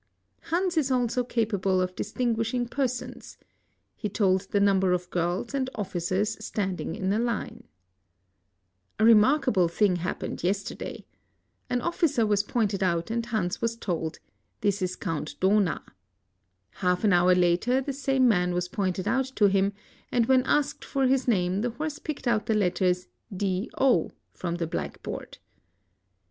Hans Is ^Iso capable of distinguishing persons. He iold the number of glrla and offlcaers standing In a Una A remarkalde thing happened yesterday. An officer 'was pointed out, and Hans iraa told, '"That ks Count Dohna."' Half an hour later the same man was pointed out to him, and when asked for his name the horse picked but the letters D o from Ae blackboard.